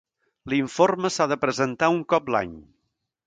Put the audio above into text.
L'informe s'ha de presentar un cop l'any.